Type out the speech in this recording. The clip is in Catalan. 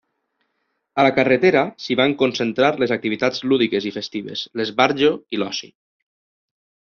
A la carretera s'hi van concentrar les activitats lúdiques i festives, l'esbarjo i l'oci.